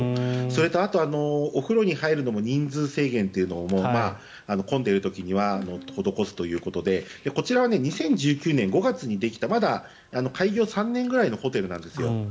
それとあと、お風呂に入るのも人数制限というのを混んでいる時には施すということでこちらは２０１９年５月にできたまだ開業３年ぐらいのホテルなんですよ。